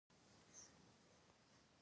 عالیه له خپل پلار سره مینه لري.